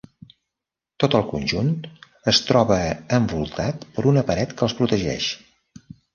Tot el conjunt es troba envoltat per una paret que els protegeix.